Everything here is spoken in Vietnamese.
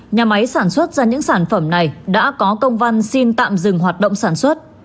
nhà máy sản xuất ra những sản phẩm này đã có công văn xin tạm dừng hoạt động sản xuất